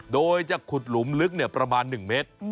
โดยจะขุดหลุมลึกประมาณ๑เมตร